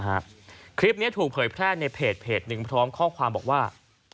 คลิปนี้ถูกเผยแพร่ในเพจหนึ่งพร้อมข้อความบอกว่า